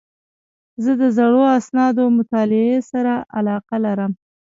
زه د زړو اسنادو مطالعې سره علاقه لرم.